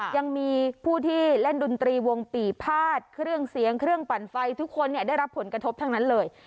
ยังมีผู้ที่เล่นดนตรีวงปีภาษเครื่องเสียงเครื่องปั่นไฟทุกคนได้รับผลกระทบทั้งนั้นเลย